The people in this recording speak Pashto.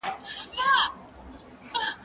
زه به سبا چپنه پاک کړم